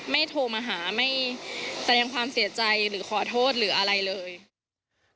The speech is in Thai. โทรมาหาไม่แสดงความเสียใจหรือขอโทษหรืออะไรเลย